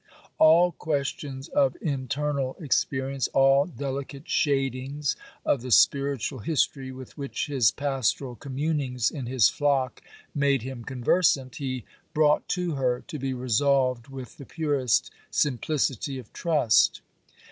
All questions of internal experience, all delicate shadings of the spiritual history, with which his pastoral communings in his flock made him conversant, he brought to her to be resolved with the purest simplicity of trust.